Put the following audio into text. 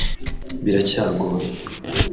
biracyagoye